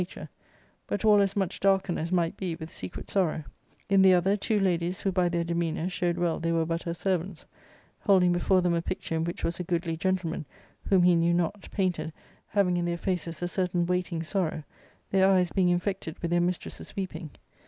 Sook L '' 55 , nature, but all as much darkened as might be with secret ^ sorrow ; in the other, two ladies who, by their demeanour, showed well they were but her servants, holding before them a picture in which was a goodly gentleman, whom he knew not, painted, having in their faces a certain waiting sorrow, their eyes being infected with their mistress's weep ing.